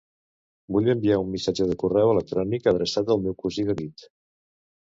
Vull enviar un missatge de correu electrònic adreçat al meu cosí David.